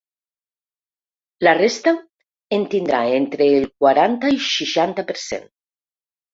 La resta, en tindrà entre el quaranta i seixanta per cent.